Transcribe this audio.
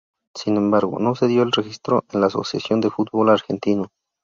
Sin embargo, no se dio el registro en la Asociación de Fútbol Argentino.